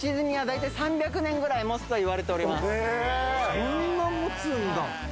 そんな持つんだ。